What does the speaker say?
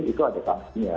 itu ada sanksinya